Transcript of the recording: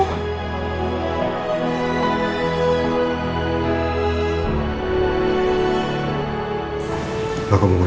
aku mau ngucapin selamat ulang tahun ya